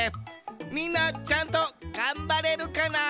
みんなちゃんとがんばれるかな？